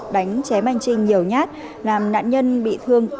đánh chém anh trinh nhiều nhát làm nạn nhân bị thương bốn mươi năm